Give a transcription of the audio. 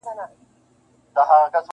د سروګلونو غوټۍ به واسي -